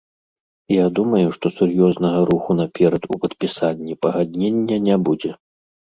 Я думаю, што сур'ёзнага руху наперад у падпісанні пагаднення не будзе.